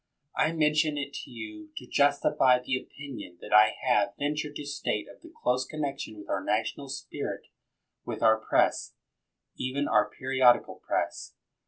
I mention it to you to justify the opinion that I have ven tured to state of the close connection of our national spirit with our Press — even our periodi cal Press.